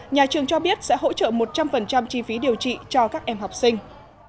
nhà trường cho biết sẽ hỗ trợ một trăm linh chi phí điều trị cho các em học sinh